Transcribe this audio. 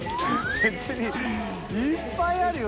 別にいっぱいあるよ